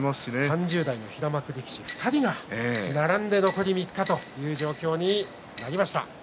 ３０代平幕力士２人が並んで残り３日という状況になりました。